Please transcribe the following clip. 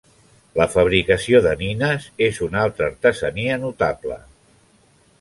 La fabricació de nines és una altra artesania notable.